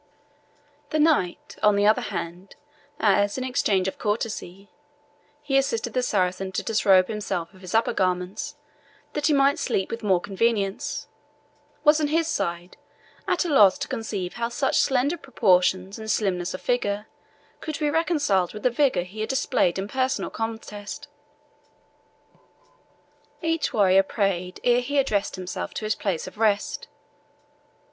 The knight, on the other hand, as, in exchange of courtesy, he assisted the Saracen to disrobe himself of his upper garments, that he might sleep with more convenience, was, on his side, at a loss to conceive how such slender proportions and slimness of figure could be reconciled with the vigour he had displayed in personal contest. Each warrior prayed ere he addressed himself to his place of rest.